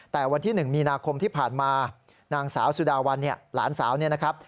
แต่วันที่๑มีนาคมที่ผ่านมานางสาวสุดาวันเนี่ยหลานสาวเนี่ยนะครับ